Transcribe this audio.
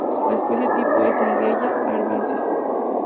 La especie tipo es: "Nigella arvensis"